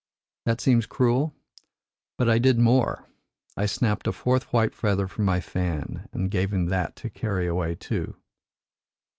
That seems cruel? But I did more. I snapped a fourth white feather from my fan and gave him that to carry away too.